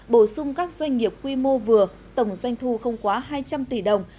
bổ sung các doanh nghiệp quy mô vừa tổng doanh thu không quá hai trăm linh tỷ đồng